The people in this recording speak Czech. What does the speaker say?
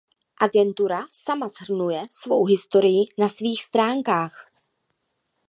Agentura sama shrnuje svou historii na svých stránkách.